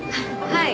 はい。